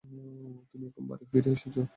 তুমি এখন বাড়ি ফিরে এসেছো।